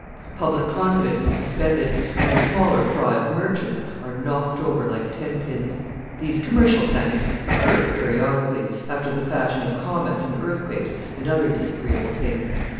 Public confidence is suspended, and the smaller fry of merchants are knocked over like tenpins. These commercial panics occur periodically, after the fashion of comets and earthquakes and other disagreeable things.